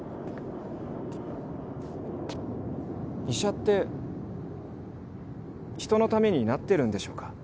医者って人のためになってるんでしょうか。